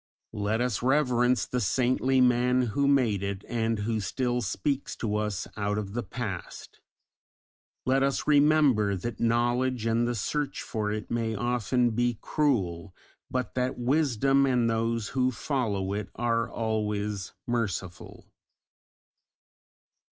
Let us reverence the saintly man who made it, and who still speaks to us out of the past. Let us remember that Knowledge and the search for it may often be cruel, but that Wisdom and those who follow it are always merciful.